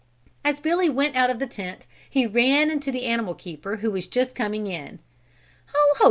As Billy went out of the tent he ran into the animal keeper who was just coming in. "Ho, ho!